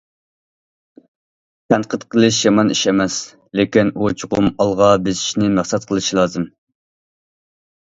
تەنقىد قىلىش يامان ئىش ئەمەس، لېكىن ئۇ چوقۇم ئالغا بېسىشنى مەقسەت قىلىشى لازىم.